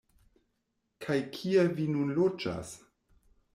Kaj kie vi nun loĝas?